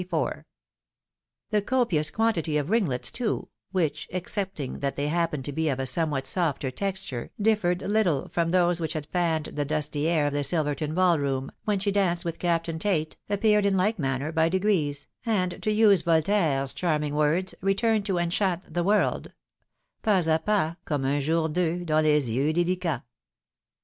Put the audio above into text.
The copious quantity of ringlets, too, which, excepting that they happened to be of a somewhat softer texture, differed little from those which had fanned the dusty air of the Silverton ball room, . when she danced with Captain Tate, appeared in Kke manner by de grees, and, to use Voltaire's charming words, returned to enchant the world Pas k pas, Comme un Jour doux, dans les yeux d^licants.